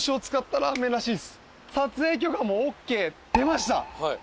撮影許可もＯＫ出ました。